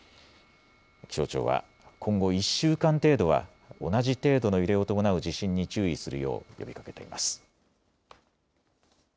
気象庁は今後１週間程度は同じ程度の揺れを伴う地震に注意するよう呼びかけています。